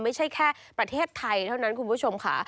ไม่ใช่แค่ประเทศไทยเท่านั้นคุณผู้ชมค่ะ